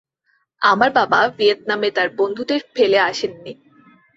আমার বাবা ভিয়েতনামে তার বন্ধুদের ফেলে আসেননি।